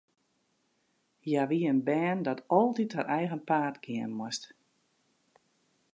Hja wie in bern dat altyd har eigen paad gean moast.